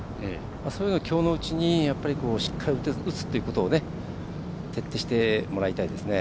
そういうのをきょうのうちにしっかり打つということを徹底してもらいたいですね。